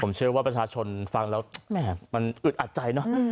ผมเชื่อว่าประชาชนฟังแล้วแหม่มันอึดอัดใจเนอะ